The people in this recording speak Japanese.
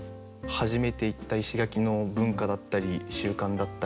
初めて行った石垣の文化だったり習慣だったり